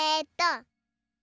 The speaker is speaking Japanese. えと。